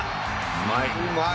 うまい。